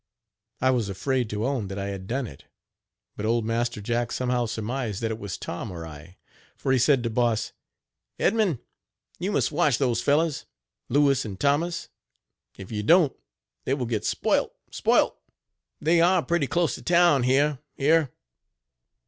I was afraid to own that I had done it; but old Master Jack somehow surmised that it was Tom or I, for he said to Boss: "Edmund, you must watch those fellows, Louis and Thomas, if you don't they will get spoilt spoilt. They are pretty close to town here here.